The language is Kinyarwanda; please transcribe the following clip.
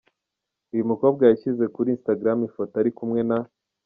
Uyu mukobwa yashyize kuri Instagram ifoto ari kumwe na